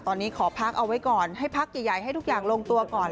ตอนนี้ขอพักเอาไว้ก่อนให้พักใหญ่ให้ทุกอย่างลงตัวก่อน